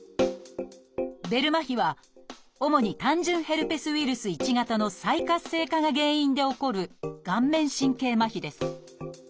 「ベル麻痺」は主に単純ヘルペスウイルス１型の再活性化が原因で起こる顔面神経麻痺です。